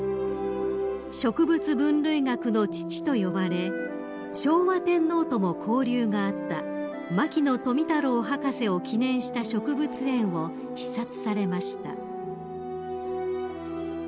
［植物分類学の父と呼ばれ昭和天皇とも交流があった牧野富太郎博士を記念した植物園を視察されました］